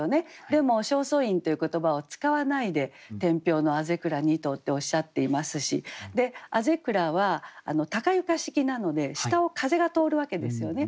でも「正倉院」という言葉を使わないで「天平の校倉二棟」っておっしゃっていますし校倉は高床式なので下を風が通るわけですよね。